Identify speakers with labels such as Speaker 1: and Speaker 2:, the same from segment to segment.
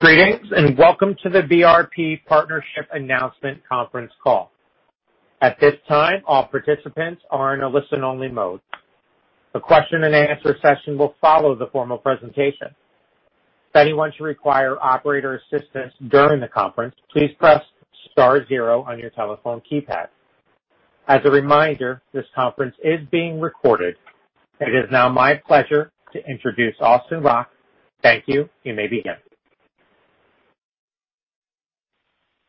Speaker 1: Greetings, and welcome to the BRP Partnership Announcement conference call. At this time, all participants are in a listen-only mode. A question-and-answer session will follow the formal presentation. If anyone should require operator assistance during the conference, please press star zero on your telephone keypad. As a reminder, this conference is being recorded. It is now my pleasure to introduce Austin Rock. Thank you. You may begin.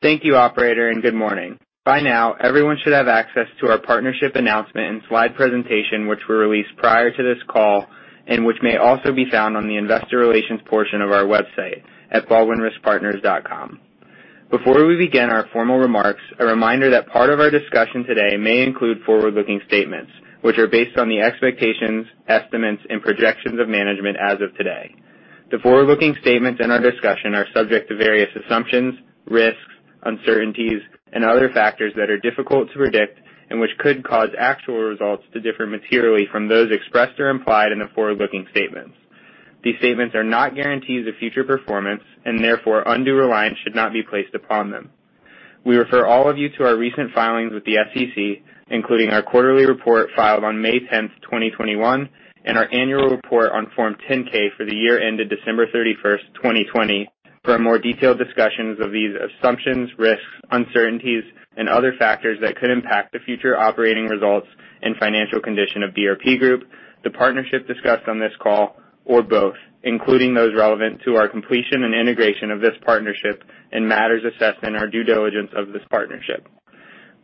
Speaker 2: Thank you, operator, and good morning. By now, everyone should have access to our partnership announcement and slide presentation, which were released prior to this call, and which may also be found on the investor relations portion of our website at baldwin.com. Before we begin our formal remarks, a reminder that part of our discussion today may include forward-looking statements, which are based on the expectations, estimates, and projections of management as of today. The forward-looking statements in our discussion are subject to various assumptions, risks, uncertainties, and other factors that are difficult to predict and which could cause actual results to differ materially from those expressed or implied in the forward-looking statements. These statements are not guarantees of future performance and therefore undue reliance should not be placed upon them. We refer all of you to our recent filings with the SEC, including our quarterly report filed on May 10th, 2021, and our annual report on Form 10-K for the year ended December 31st, 2020, for a more detailed discussions of these assumptions, risks, uncertainties, and other factors that could impact the future operating results and financial condition of BRP Group, the partnership discussed on this call, or both, including those relevant to our completion and integration of this partnership and matters assessed in our due diligence of this partnership.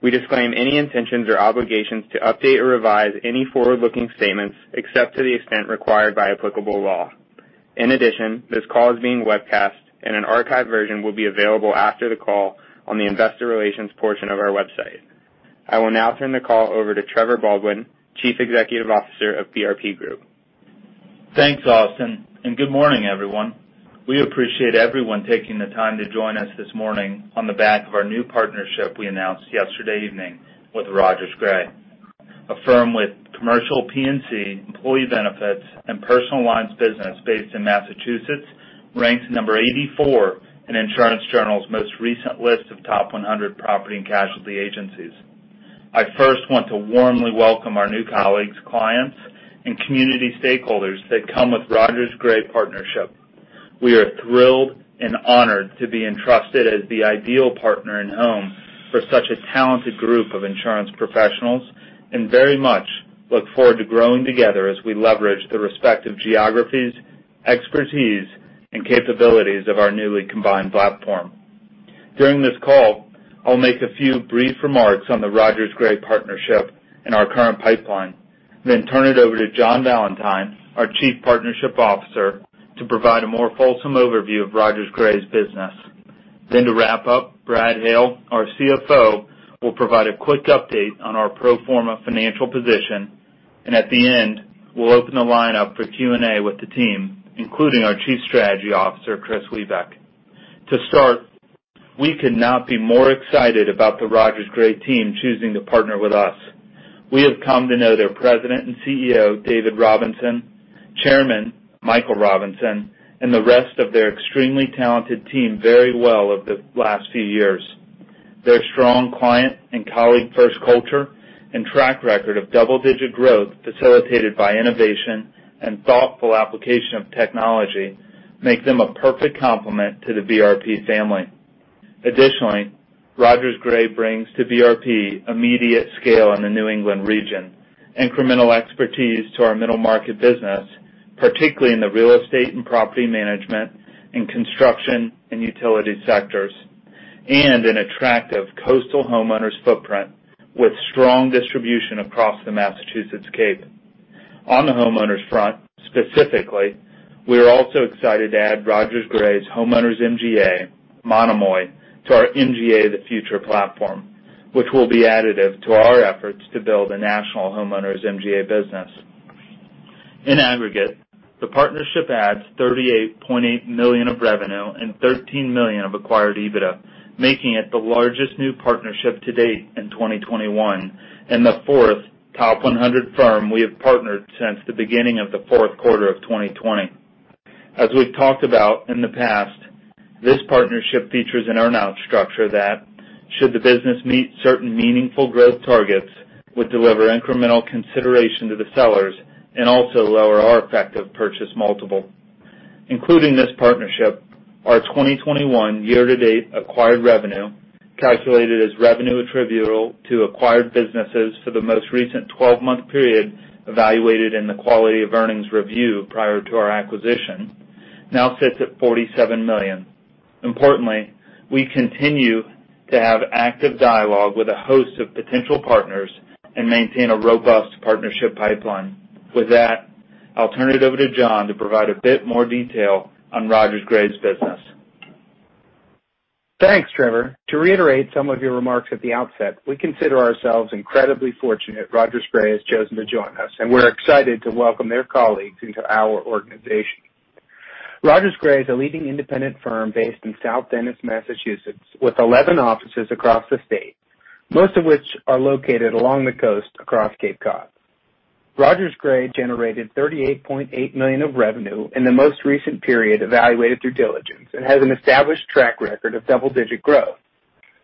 Speaker 2: We disclaim any intentions or obligations to update or revise any forward-looking statements except to the extent required by applicable law. In addition, this call is being webcast and an archived version will be available after the call on the investor relations portion of our website. I will now turn the call over to Trevor Baldwin, Chief Executive Officer of BRP Group.
Speaker 3: Thanks, Austin, and good morning, everyone. We appreciate everyone taking the time to join us this morning on the back of our new partnership we announced yesterday evening with Rogers Gray, a firm with commercial P&C, employee benefits, and personal lines business based in Massachusetts, ranked number 84 in Insurance Journal's most recent list of top 100 property and casualty agencies. I first want to warmly welcome our new colleagues, clients, and community stakeholders that come with Rogers Gray partnership. We are thrilled and honored to be entrusted as the ideal partner in home for such a talented group of insurance professionals, and very much look forward to growing together as we leverage the respective geographies, expertise, and capabilities of our newly combined platform. During this call, I'll make a few brief remarks on the Rogers Gray partnership and our current pipeline, then turn it over to John Valentine, our Chief Partnership Officer, to provide a more fulsome overview of Rogers Gray's business. To wrap up, Brad Hale, our CFO, will provide a quick update on our pro forma financial position, and at the end, we'll open the line up for Q&A with the team, including our Chief Strategy Officer, Kris Wiebeck. To start, we could not be more excited about the Rogers Gray team choosing to partner with us. We have come to know their President and CEO, David Robinson, Chairman, Michael Robinson, and the rest of their extremely talented team very well over the last few years. Their strong client and colleague-first culture and track record of double-digit growth facilitated by innovation and thoughtful application of technology make them a perfect complement to The Baldwin Group family. Additionally, Rogers Gray brings to The Baldwin Group immediate scale in the New England region, incremental expertise to our middle market business, particularly in the real estate and property management, in construction and utility sectors, and an attractive coastal homeowners footprint with strong distribution across the Massachusetts Cape. On the homeowners front, specifically, we are also excited to add Rogers Gray's homeowners' MGA, Monomoy, to our MGA of the Future platform, which will be additive to our efforts to build a national homeowners MGA business. In aggregate, the partnership adds $38.8 million of revenue and $13 million of acquired EBITDA, making it the largest new partnership to date in 2021, and the fourth top 100 firm we have partnered since the beginning of the fourth quarter of 2020. As we've talked about in the past, this partnership features an earn-out structure that, should the business meet certain meaningful growth targets, would deliver incremental consideration to the sellers and also lower our effective purchase multiple. Including this partnership, our 2021 year-to-date acquired revenue, calculated as revenue attributable to acquired businesses for the most recent 12-month period evaluated in the Quality of Earnings review prior to our acquisition, now sits at $47 million. Importantly, we continue to have active dialogue with a host of potential partners and maintain a robust partnership pipeline. With that, I'll turn it over to John to provide a bit more detail on RogersGray's business.
Speaker 4: Thanks, Trevor. To reiterate some of your remarks at the outset, we consider ourselves incredibly fortunate RogersGray has chosen to join us, and we're excited to welcome their colleagues into our organization. RogersGray is a leading independent firm based in South Dennis, Massachusetts, with 11 offices across the state, most of which are located along the coast across Cape Cod. RogersGray generated $38.8 million of revenue in the most recent period evaluated through diligence and has an established track record of double-digit growth,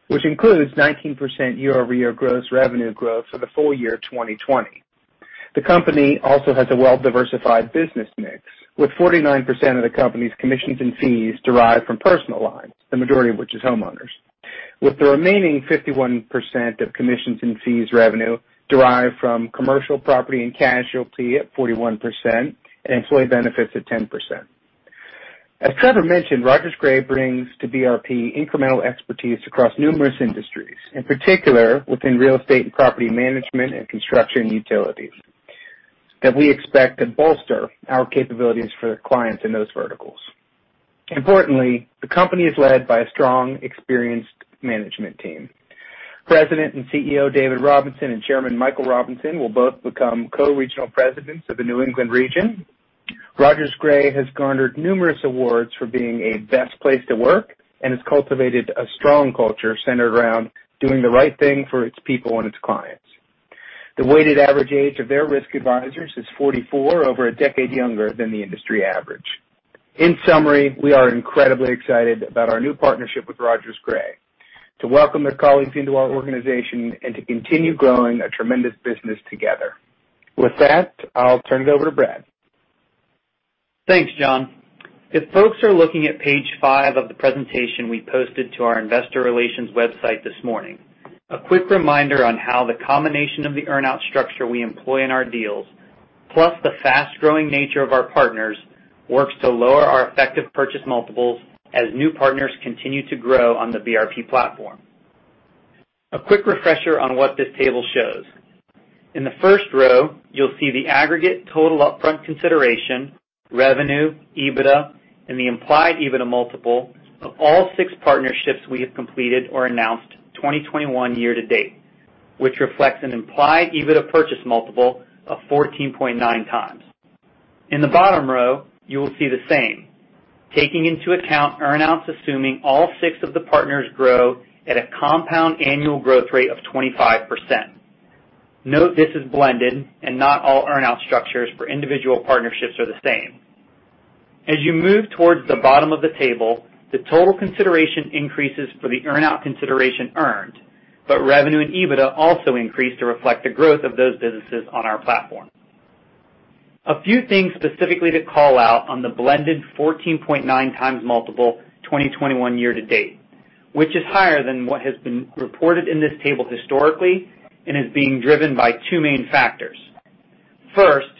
Speaker 4: which includes 19% year-over-year gross revenue growth for the full year 2020. The company also has a well-diversified business mix, with 49% of the company's commissions and fees derived from personal lines, the majority of which is homeowners, with the remaining 51% of commissions and fees revenue derived from commercial P&C at 41% and employee benefits at 10%. As Trevor mentioned, RogersGray brings to The Baldwin Group incremental expertise across numerous industries, in particular within real estate and property management and construction utilities, that we expect to bolster our capabilities for the clients in those verticals. Importantly, the company is led by a strong, experienced management team. President and CEO David Robinson and Chairman Michael Robinson will both become co-Regional Presidents of the New England region. RogersGray has garnered numerous awards for being a best place to work and has cultivated a strong culture centered around doing the right thing for its people and its clients. The weighted average age of their risk advisors is 44, over a decade younger than the industry average. In summary, we are incredibly excited about our new partnership with RogersGray, to welcome their colleagues into our organization, and to continue growing a tremendous business together. With that, I'll turn it over to Brad.
Speaker 5: Thanks, John. If folks are looking at page five of the presentation we posted to our investor relations website this morning, a quick reminder on how the combination of the earn-out structure we employ in our deals, plus the fast-growing nature of our partners, works to lower our effective purchase multiples as new partners continue to grow on the BRP platform. A quick refresher on what this table shows. In the first row, you'll see the aggregate total upfront consideration, revenue, EBITDA, and the implied EBITDA multiple of all six partnerships we have completed or announced 2021 year to date, which reflects an implied EBITDA purchase multiple of 14.9 times. In the bottom row, you will see the same, taking into account earn-outs assuming all six of the partners grow at a compound annual growth rate of 25%. Note this is blended and not all earn-out structures for individual partnerships are the same. As you move towards the bottom of the table, the total consideration increases for the earn-out consideration earned, but revenue and EBITDA also increase to reflect the growth of those businesses on our platform. A few things specifically to call out on the blended 14.9 times multiple 2021 year to date, which is higher than what has been reported in this table historically and is being driven by two main factors. First,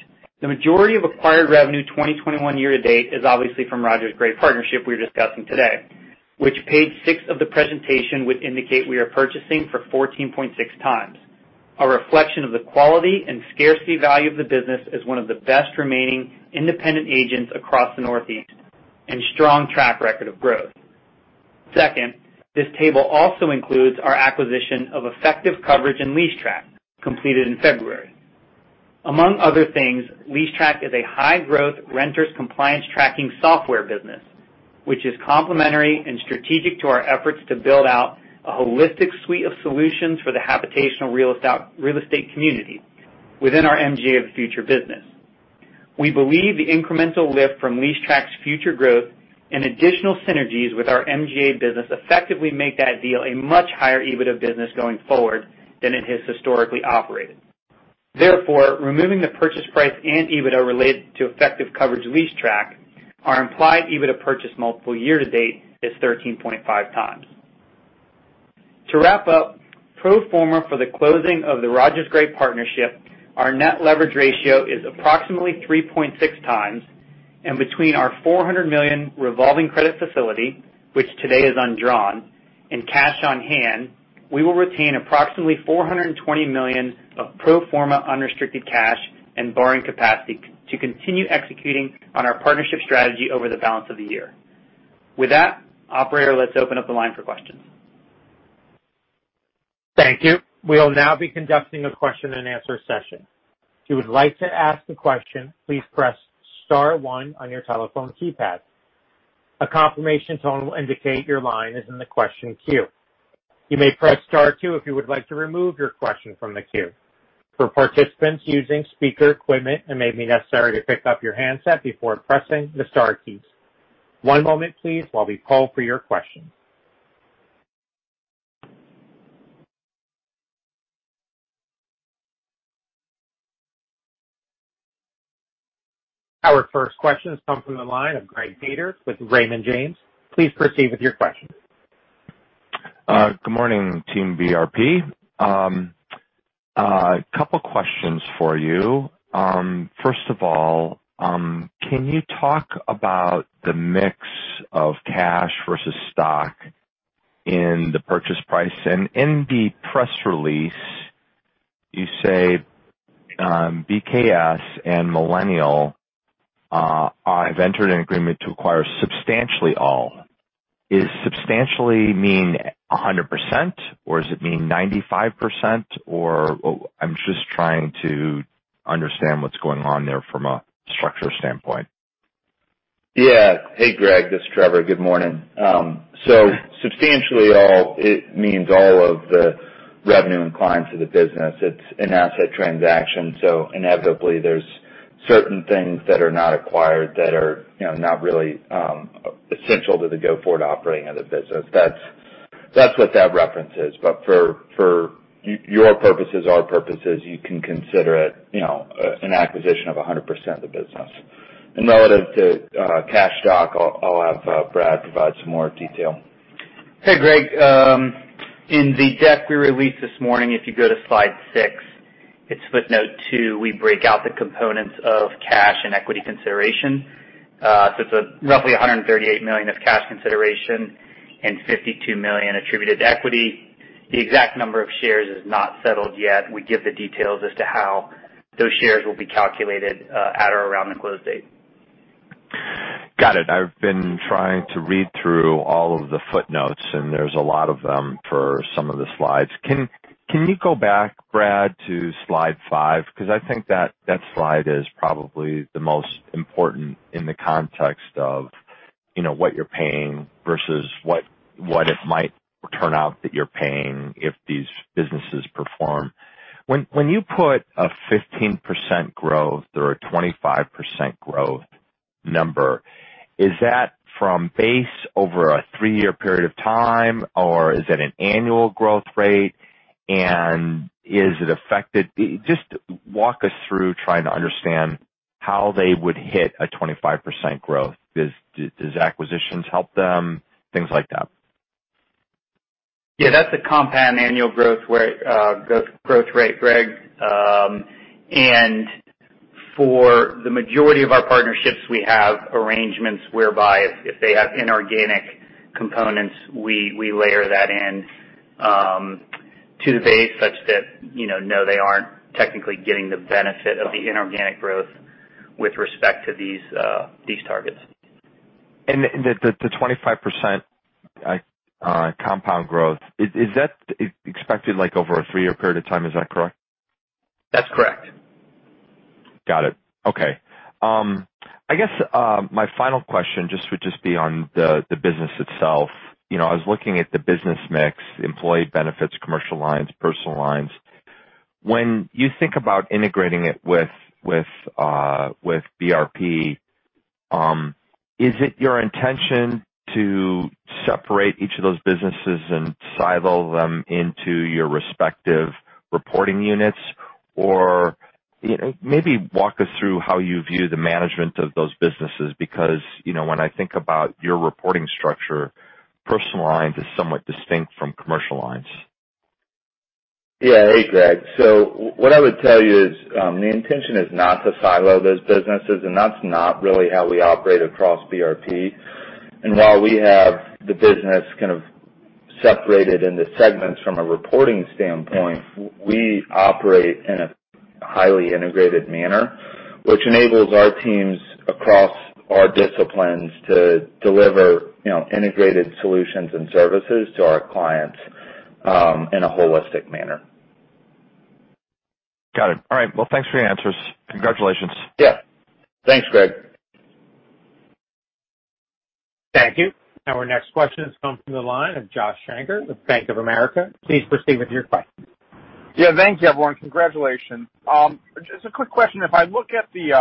Speaker 5: the majority of acquired revenue 2021 year to date is obviously from RogersGray partnership we're discussing today, which page six of the presentation would indicate we are purchasing for 14.6 times, a reflection of the quality and scarcity value of the business as one of the best remaining independent agents across the Northeast, and strong track record of growth. Second, this table also includes our acquisition of Effective Coverage and LeaseTrack, completed in February. Among other things, LeaseTrack is a high-growth renters compliance tracking software business, which is complementary and strategic to our efforts to build out a holistic suite of solutions for the habitational real estate community within our MGA of the Future business. We believe the incremental lift from LeaseTrack's future growth and additional synergies with our MGA business effectively make that deal a much higher EBITDA business going forward than it has historically operated. Therefore, removing the purchase price and EBITDA related to Effective Coverage and LeaseTrack, our implied EBITDA purchase multiple year to date is 13.5 times. To wrap up, pro forma for the closing of the RogersGray partnership, our net leverage ratio is approximately 3.6 times, and between our $400 million revolving credit facility, which today is undrawn, and cash on hand, we will retain approximately $420 million of pro forma unrestricted cash and borrowing capacity to continue executing on our partnership strategy over the balance of the year. With that, operator, let's open up the line for questions.
Speaker 1: Thank you. We will now be conducting a question and answer session. If you would like to ask a question, please press star one on your telephone keypad. A confirmation tone will indicate your line is in the question queue. You may press star two if you would like to remove your question from the queue. For participants using speaker equipment, it may be necessary to pick up your handset before pressing the star keys. One moment please while we call for your question. Our first question is coming from the line of Greg Peters with Raymond James. Please proceed with your question.
Speaker 6: Good morning, Team BRP. A couple questions for you. First of all, can you talk about the mix of cash versus stock in the purchase price? In the press release, you say BKS and Millennial have entered an agreement to acquire substantially all. Is substantially mean 100%, or does it mean 95%? I'm just trying to understand what's going on there from a structure standpoint.
Speaker 3: Hey, Greg, this is Trevor. Good morning. Substantially all, it means all of the revenue and clients of the business. It's an asset transaction, so inevitably there's certain things that are not acquired that are not really essential to the go-forward operating of the business. That's what that reference is. For your purposes, our purposes, you can consider it an acquisition of 100% of the business. Relative to cash stock, I'll have Brad provide some more detail.
Speaker 5: Hey, Greg. In the deck we released this morning, if you go to slide six, it's footnote two. We break out the components of cash and equity consideration. It's roughly $138 million of cash consideration and $52 million attributed to equity. The exact number of shares is not settled yet. We give the details as to how those shares will be calculated at or around the close date.
Speaker 6: Got it. I've been trying to read through all of the footnotes, there's a lot of them for some of the slides. Can you go back, Brad, to slide five? I think that slide is probably the most important in the context of what you're paying versus what it might turn out that you're paying if these businesses perform. When you put a 15% growth or a 25% growth number, is that from base over a three-year period of time, or is it an annual growth rate? Is it affected? Just walk us through trying to understand how they would hit a 25% growth. Does acquisitions help them? Things like that.
Speaker 5: Yeah. That's a compound annual growth rate, Greg. For the majority of our partnerships, we have arrangements whereby if they have inorganic components, we layer that in to the base such that, no, they aren't technically getting the benefit of the inorganic growth with respect to these targets.
Speaker 6: The 25% compound growth, is that expected over a three-year period of time? Is that correct?
Speaker 5: That's correct.
Speaker 6: Got it. Okay. I guess my final question would just be on the business itself. I was looking at the business mix, employee benefits, commercial lines, personal lines. When you think about integrating it with BRP, is it your intention to separate each of those businesses and silo them into your respective reporting units? Or maybe walk us through how you view the management of those businesses, because when I think about your reporting structure, personal lines is somewhat distinct from commercial lines.
Speaker 3: Yeah. Hey, Greg. What I would tell you is the intention is not to silo those businesses, and that's not really how we operate across BRP. While we have the business kind of separated into segments from a reporting standpoint, we operate in a highly integrated manner, which enables our teams across our disciplines to deliver integrated solutions and services to our clients in a holistic manner.
Speaker 6: Got it. All right. Well, thanks for your answers. Congratulations.
Speaker 3: Yeah. Thanks, Greg.
Speaker 1: Thank you. Our next question is coming from the line of Josh Shanker with Bank of America. Please proceed with your question.
Speaker 7: Yeah. Thank you, everyone. Congratulations. Just a quick question. If I look at the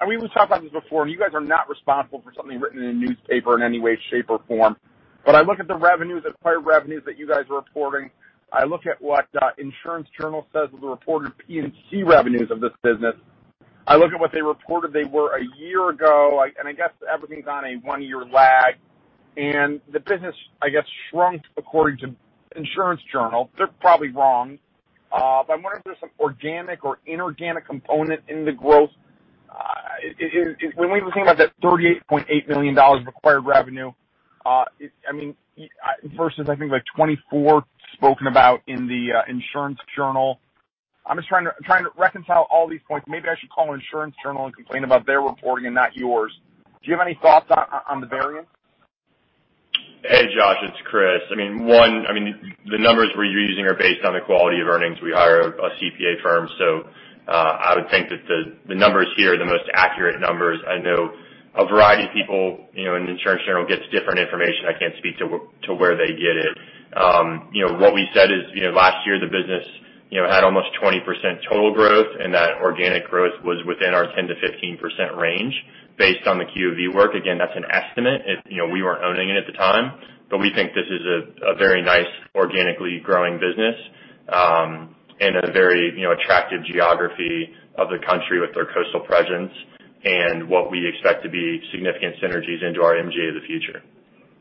Speaker 7: and we've talked about this before, and you guys are not responsible for something written in a newspaper in any way, shape, or form. I look at the acquired revenues that you guys are reporting. I look at what Insurance Journal says was the reported P&C revenues of this business. I look at what they reported they were a year ago, and I guess everything's on a one-year lag. The business, I guess, shrunk according to Insurance Journal. They're probably wrong. I'm wondering if there's some organic or inorganic component in the growth. When we were talking about that $38.8 million of acquired revenue versus I think the $24 spoken about in the Insurance Journal. I'm just trying to reconcile all these points. Maybe I should call Insurance Journal and complain about their reporting and not yours. Do you have any thoughts on the variance?
Speaker 8: Hey, Josh, it's Kris. One, the numbers we're using are based on the Quality of Earnings. We hire a CPA firm. I would think that the numbers here are the most accurate numbers. I know a variety of people, and Insurance Journal gets different information. I can't speak to where they get it. What we said is, last year the business had almost 20% total growth, and that organic growth was within our 10%-15% range based on the Quality of Earnings work. Again, that's an estimate. We weren't owning it at the time, but we think this is a very nice organically growing business in a very attractive geography of the country with their coastal presence and what we expect to be significant synergies into our MGA of the Future.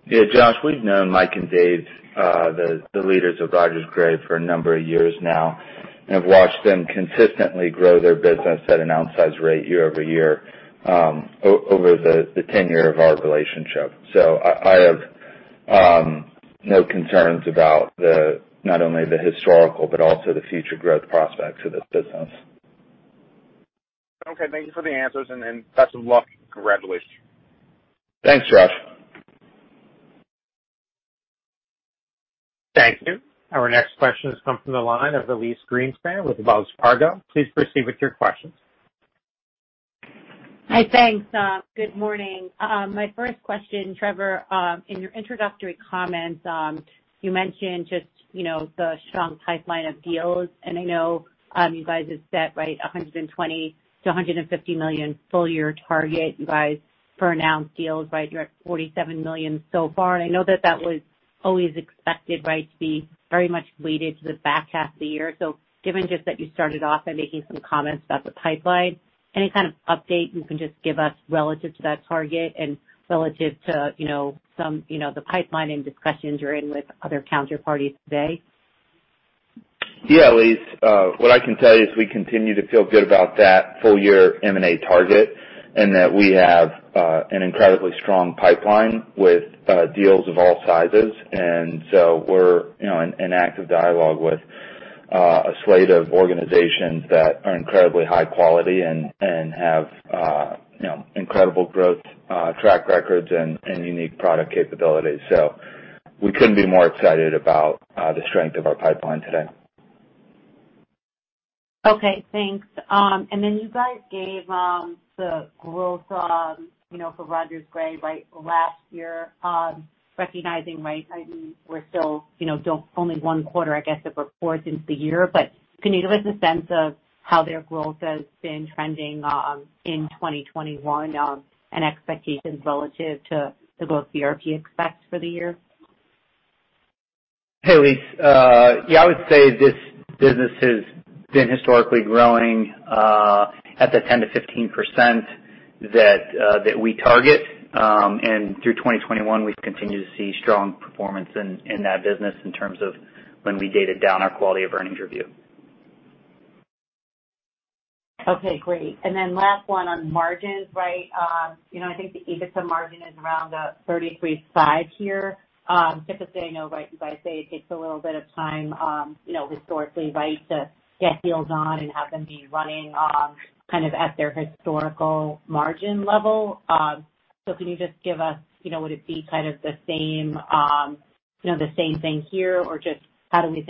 Speaker 3: Yeah, Josh. We've known Mike and Dave, the leaders of Rogers & Gray, for a number of years now and have watched them consistently grow their business at an outsize rate year-over-year over the tenure of our relationship. I have no concerns about not only the historical but also the future growth prospects of this business.
Speaker 7: Okay. Thank you for the answers, and best of luck. Congratulations.
Speaker 3: Thanks, Josh.
Speaker 1: Thank you. Our next question has come from the line of Elyse Greenspan with Wells Fargo. Please proceed with your questions.
Speaker 9: Hi. Thanks. Good morning. My first question, Trevor, in your introductory comments, you mentioned just the strong pipeline of deals. I know you guys have set, right, a $120 million-$150 million full year target, you guys announced deals, right? You're at $47 million so far, and I know that that was always expected, right, to be very much weighted to the back half of the year. Given just that you started off by making some comments about the pipeline, any kind of update you can just give us relative to that target and relative to the pipeline and discussions you're in with other counterparties today?
Speaker 3: Yeah, Elyse. What I can tell you is we continue to feel good about that full year M&A target, and that we have an incredibly strong pipeline with deals of all sizes. We're in active dialogue with a slate of organizations that are incredibly high quality and have incredible growth, track records and unique product capabilities. We couldn't be more excited about the strength of our pipeline today.
Speaker 9: Okay, thanks. You guys gave the growth for RogersGray right last year, recognizing right, I mean, we're still only one quarter, I guess, of reports into the year, but can you give us a sense of how their growth has been trending in 2021, and expectations relative to both BRP expects for the year?
Speaker 5: Hey, Elyse. Yeah, I would say this business has been historically growing at the 10%-15% that we target. Through 2021, we've continued to see strong performance in that business in terms of when we did our Quality of Earnings review.
Speaker 9: Okay, great. Last one on margins, right? I think the EBITDA margin is around the 33 side here. Typically, I know you guys say it takes a little bit of time, historically, right, to get deals on and have them be running on kind of at their historical margin level. Can you just give us, would it be kind of the same thing here, or just how do you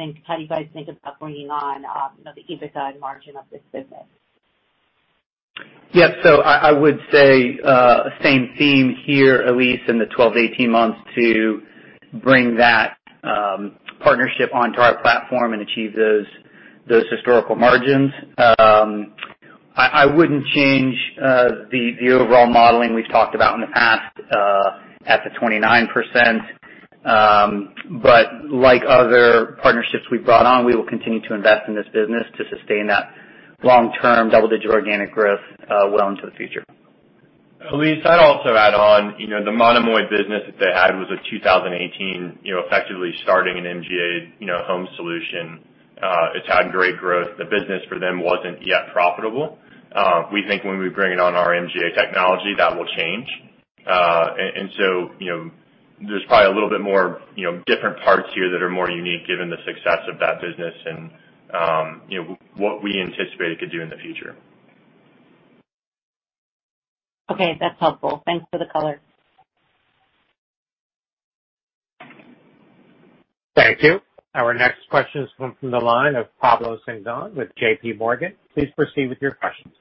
Speaker 9: guys think about bringing on the EBITDA and margin of this business?
Speaker 5: Yeah. I would say, same theme here, Elyse, in the 12, 18 months to bring that partnership onto our platform and achieve those historical margins. I wouldn't change the overall modeling we've talked about in the past at the 29%, but like other partnerships we've brought on, we will continue to invest in this business to sustain that long-term double-digit organic growth well into the future.
Speaker 8: Elyse, I'd also add on the Monomoy business that they had was a 2018 effectively starting an MGA home solution. It's had great growth. The business for them wasn't yet profitable. We think when we bring it on our MGA technology, that will change. There's probably a little bit more different parts here that are more unique given the success of that business and what we anticipate it could do in the future.
Speaker 9: Okay. That's helpful. Thanks for the color.
Speaker 1: Thank you. Our next question has come from the line of Pablo Singzon with J.P. Morgan. Please proceed with your questions.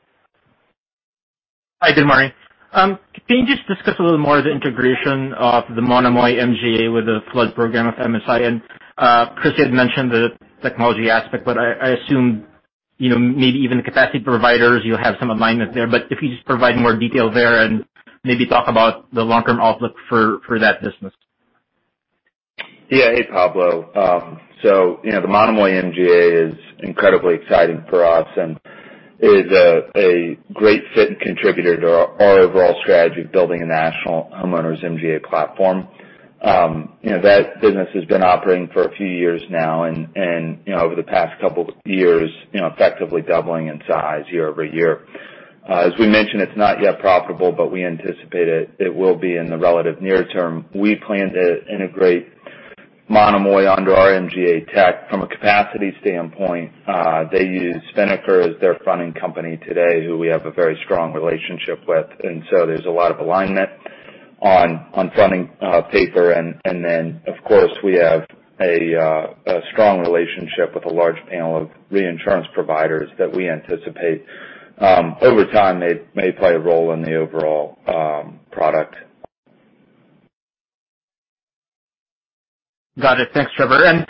Speaker 10: Hi, good morning. Can you just discuss a little more the integration of the Monomoy MGA with the flood program of MSI? Kris had mentioned the technology aspect, I assume maybe even the capacity providers, you'll have some alignment there. If you could just provide more detail there and maybe talk about the long-term outlook for that business.
Speaker 3: Yeah. Hey, Pablo. The Monomoy MGA is incredibly exciting for us and is a great fit and contributor to our overall strategy of building a national homeowners MGA platform. That business has been operating for a few years now, over the past couple of years, effectively doubling in size year-over-year. As we mentioned, it's not yet profitable, but we anticipate it will be in the relative near term. We plan to integrate Monomoy onto our MGA tech. From a capacity standpoint, they use Spinnaker as their funding company today, who we have a very strong relationship with. There's a lot of alignment on funding paper, of course, we have a strong relationship with a large panel of reinsurance providers that we anticipate over time may play a role in the overall product.
Speaker 10: Got it. Thanks, Trevor.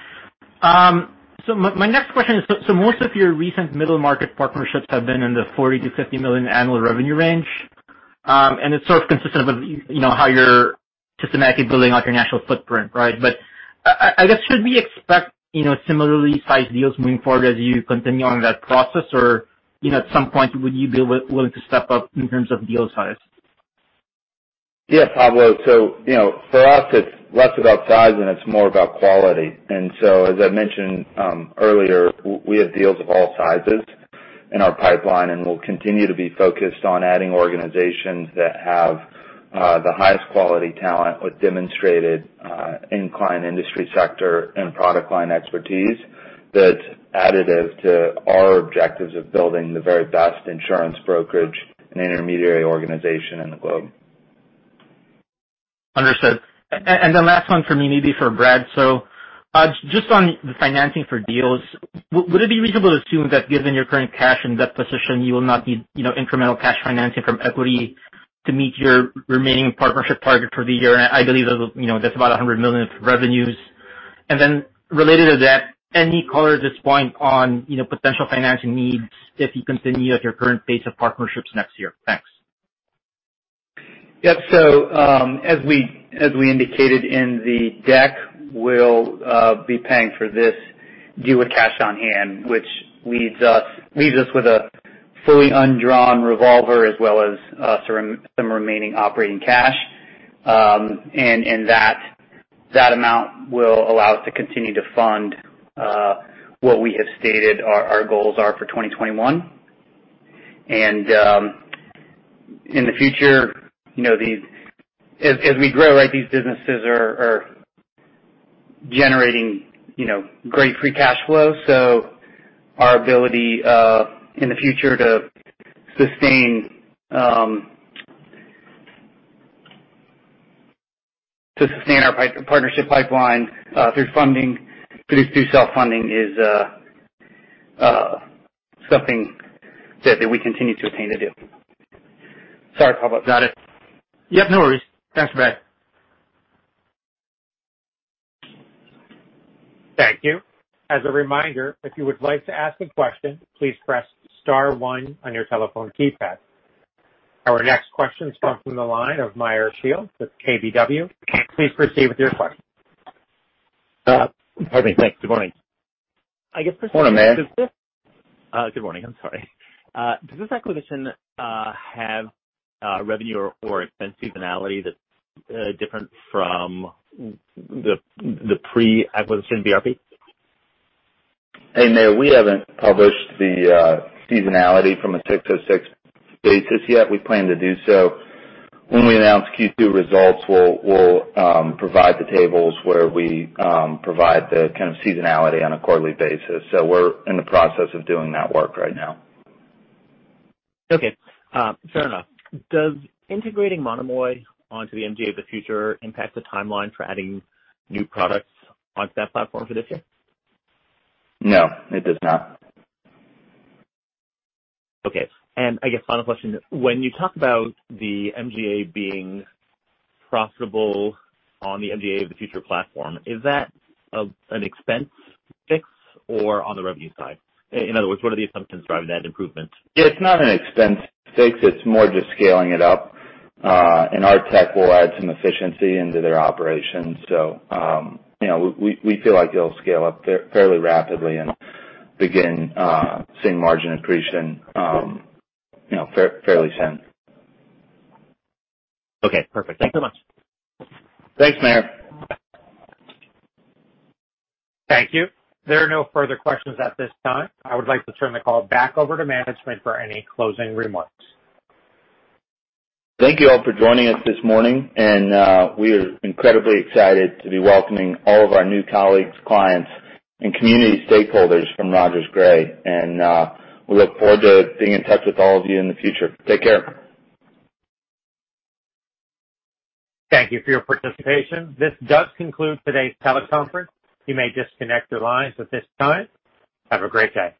Speaker 10: My next question is, most of your recent middle market partnerships have been in the $40 million to $50 million annual revenue range. It's sort of consistent of how you're systematically building out your national footprint, right? I guess, should we expect similarly sized deals moving forward as you continue on that process? At some point, would you be willing to step up in terms of deal size?
Speaker 3: Pablo. For us, it's less about size and it's more about quality. As I mentioned earlier, we have deals of all sizes in our pipeline, and we'll continue to be focused on adding organizations that have the highest quality talent with demonstrated in-depth industry sector and product line expertise that's additive to our objectives of building the very best insurance brokerage and intermediary organization in the globe.
Speaker 10: Understood. The last one from me may be for Brad. Just on the financing for deals, would it be reasonable to assume that given your current cash and debt position, you will not need incremental cash financing from equity to meet your remaining partnership target for the year? I believe that's about $100 million of revenues. Related to that, any color at this point on potential financing needs if you continue at your current pace of partnerships next year? Thanks.
Speaker 5: As we indicated in the deck, we'll be paying for this deal with cash on hand, which leaves us with a fully undrawn revolver as well as some remaining operating cash. That amount will allow us to continue to fund what we have stated our goals are for 2021. In the future, as we grow, these businesses are generating great free cash flow. Our ability, in the future, to sustain our partnership pipeline through self-funding is something that we continue to aim to do. Sorry, Pablo.
Speaker 10: Got it. Yep, no worries. Thanks, Brad.
Speaker 1: Thank you. As a reminder, if you would like to ask a question, please press star one on your telephone keypad. Our next question comes from the line of Meyer Shields with KBW. Please proceed with your question.
Speaker 11: Pardon me. Thanks. Good morning.
Speaker 3: Morning, Meyer.
Speaker 11: Good morning. I'm sorry. Does this acquisition have revenue or expense seasonality that's different from the pre-acquisition BRP?
Speaker 5: Hey, Meyer. We haven't published the seasonality from an ASC 606 basis yet. We plan to do so. When we announce Q2 results, we'll provide the tables where we provide the kind of seasonality on a quarterly basis. We're in the process of doing that work right now.
Speaker 11: Okay. Fair enough. Does integrating Monomoy onto the MGA of the Future impact the timeline for adding new products onto that platform for this year?
Speaker 8: No, it does not.
Speaker 11: Okay. I guess final question, when you talk about the MGA being profitable on the MGA of the Future platform, is that an expense fix or on the revenue side? In other words, what are the assumptions driving that improvement?
Speaker 8: It's not an expense fix. It's more just scaling it up. Our tech will add some efficiency into their operations. We feel like it'll scale up fairly rapidly and begin seeing margin accretion fairly soon.
Speaker 11: Okay, perfect. Thanks so much.
Speaker 3: Thanks, Meyer.
Speaker 1: Thank you. There are no further questions at this time. I would like to turn the call back over to management for any closing remarks.
Speaker 3: Thank you all for joining us this morning. We are incredibly excited to be welcoming all of our new colleagues, clients, and community stakeholders from Rogers & Gray. We look forward to being in touch with all of you in the future. Take care.
Speaker 1: Thank you for your participation. This does conclude today's teleconference. You may disconnect your lines at this time. Have a great day.